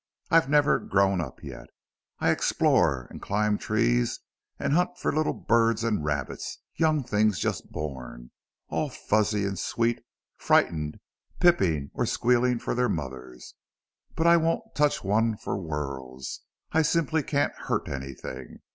I've never grown up yet. I explore and climb trees and hunt for little birds and rabbits young things just born, all fuzzy and sweet, frightened, piping or squealing for their mothers. But I won't touch one for worlds. I simply can't hurt anything.